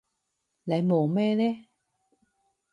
你望咩呢？